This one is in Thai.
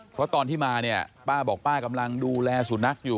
เพราะตอนที่มาเนี่ยป้าบอกป้ากำลังดูแลสุนัขอยู่